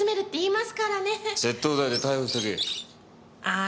窃盗罪で逮捕しとけ。